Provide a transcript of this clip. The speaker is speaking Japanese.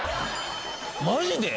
マジで！？